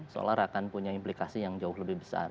solar akan punya implikasi yang jauh lebih besar